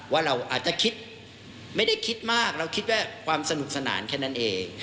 ว่าเราอาจจะคิดไม่ได้คิดมากเราคิดว่าความสนุกสนานแค่นั้นเอง